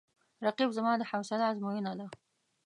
رقیب زما د حوصله آزموینه ده